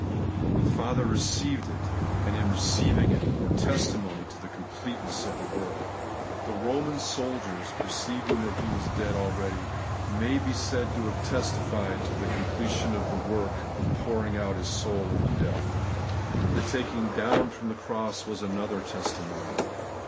The Father received it; and in receiving it, bore testimony to the completeness of the work. The Eoman soldiers, 'perceiving that He was dead already,' may be said to have testified to the completion of the work of pouring out His soul unto deatL The taking down from the cross was another testimony.